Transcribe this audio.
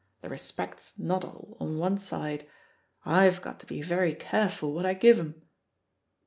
The respect's not all on one side — Tve got to be very careful what I give 'em.